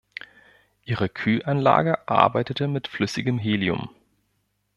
Ihre Kühlanlage arbeitete mit flüssigem Helium.